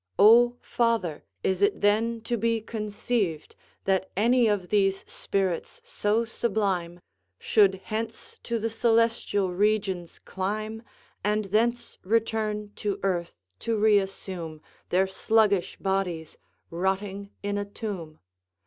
"O, father, is it then to be conceiv'd That any of these spirits, so sublime, Should hence to the celestial regions climb, And thence return to earth to reassume Their sluggish bodies rotting in a tomb?